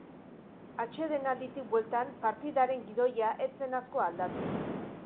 Atsedenalditik bueltan partidaren gidoia ez zen asko aldatu.